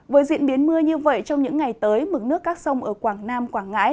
với diễn biến mưa như vậy trong những ngày tới mực nước các sông ở quảng nam quảng ngãi